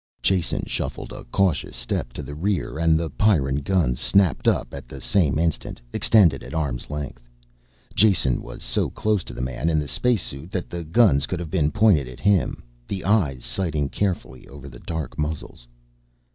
Jason shuffled a cautious step to the rear and the Pyrran guns snapped up at the same instant, extended at arm's length. Jason was so close to the man in the spacesuit that the guns could have been pointed at him, the eyes sighting carefully over the dark muzzles.